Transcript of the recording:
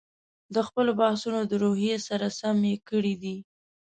د خپلو بحثونو د روحیې سره سم یې کړي دي.